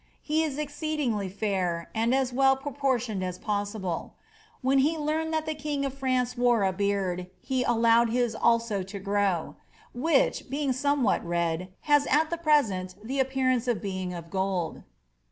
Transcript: He is exceedingly fair, and as well propor tioned as possible. When he learned that the king of France wore a beard, he allowed his also to grow ; which, being somewhat red, has at present the appearance of being of gold.